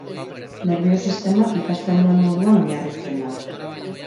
Nerbio-sistemak ikasten duen moduan oinarritzen da.